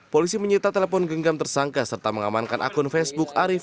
polisi menyita telepon genggam tersangka serta mengamankan akun facebook arief